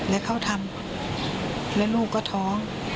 และเขาทำแล้วลูกก็ท้อง